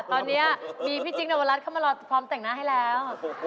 ตอนนี้มีพี่จิ๊กนวรัฐเข้ามารอพร้อมแต่งหน้าให้แล้ว